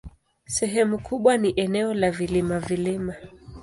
Sehemu kubwa ni eneo la vilima-vilima.